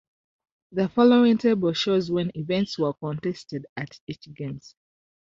The following table shows when events were contested at each Games.